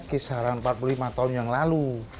kisaran empat puluh lima tahun yang lalu